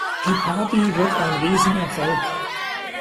Die Party wird ein Riesenerfolg.